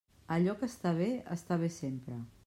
Allò que està bé, està bé sempre.